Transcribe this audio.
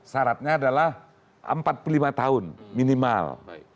syaratnya adalah empat puluh lima tahun minimal